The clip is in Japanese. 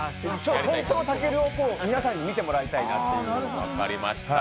本当のたけるを皆さんに見てもらいたいなという。